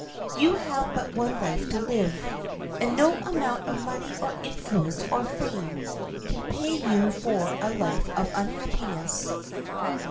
You have but one life to live, and no amount of money or influence or fame can pay you for a life of unhappiness.